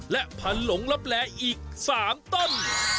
และพันธุ์หลงลับแลอีก๓ต้น